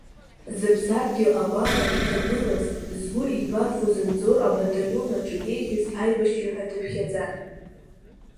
Зыԥсадгьыл агәаҟра иҭагылаз, згәы еибафоз Анзор абаталионаҿ иреиӷьыз аибашьҩы ҳәа дыԥхьаӡан.